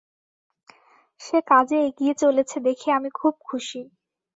সে কাজে এগিয়ে চলেছে দেখে আমি খুব খুশী।